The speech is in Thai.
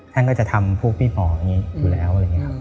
ท่านก็จะทำพวกพี่หมออยู่แล้ว